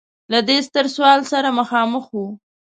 له دې ستر سوال سره مخامخ و.